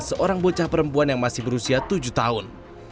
seorang bocah perempuan yang masih berusia tujuh tahun